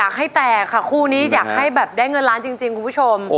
แตกค่ะคู่นี้อยากให้แบบได้เงินล้านจริงคุณผู้ชม